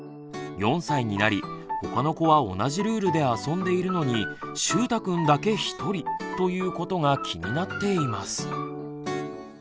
４歳になりほかの子は同じルールで遊んでいるのにしゅうたくんだけひとりということが気になっています。